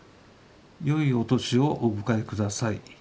良いお年をお迎え下さい。